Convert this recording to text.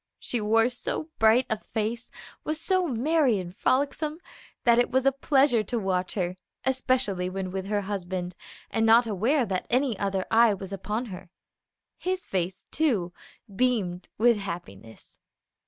She wore so bright a face, was so merry and frolicsome, that it was a pleasure to watch her, especially when with her husband, and not aware that any other eye was upon her. His face, too, beamed with happiness.